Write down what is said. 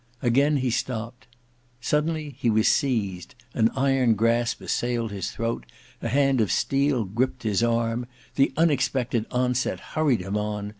Again he stopped. Suddenly he was seized; an iron grasp assailed his throat, a hand of steel griped his arm. The unexpected onset hurried him on.